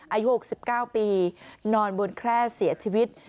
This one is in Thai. อายุ๖๙ปีนอนบนแคร่เสียชีวิต